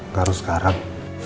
gak harus sekarang